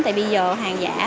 tại bây giờ hàng giả